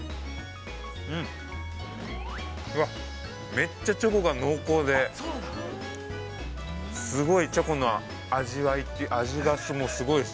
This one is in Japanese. ◆めっちゃチョコが濃厚で、すごいチョコの味が、すごいです。